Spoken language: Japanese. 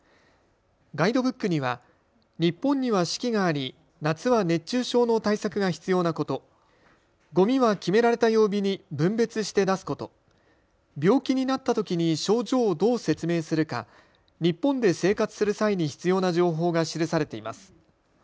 ガイドブックには日本には四季があり夏は熱中症の対策が必要なこと、ごみは決められた曜日に分別して出すこと、病気になったときに症状をどう説明するか、日本で生活する際に必要な情報が記されています。